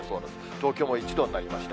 東京も１度になりました。